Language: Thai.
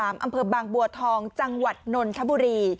อำเภอบางบัวทองจังหวัดนนทบุรี